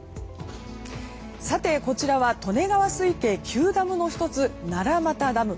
こちらは利根川水系９ダムの１つ奈良俣ダム。